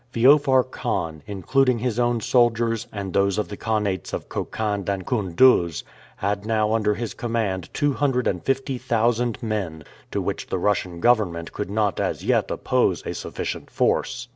Feofar Khan, including his own soldiers, and those of the Khanats of Khokhand and Koun douze, had now under his command two hundred and fifty thousand men, to which the Russian government could not as yet oppose a sufficient force.